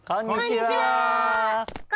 こんにちは！